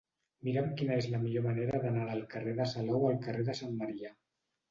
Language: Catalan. Mira'm quina és la millor manera d'anar del carrer de Salou al carrer de Sant Marià.